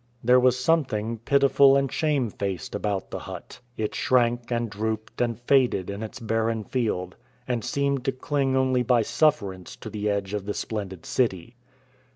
There was something pitiful and shamefaced about the hut. It shrank and drooped and faded in its barren field, and seemed to cling only by sufferance to the edge of the splendid city.